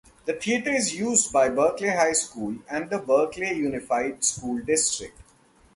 The theater is used by Berkeley High School and the Berkeley Unified School District.